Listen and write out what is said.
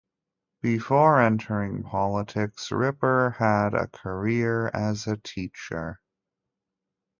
Before entering politics, Ripper had a career as a teacher.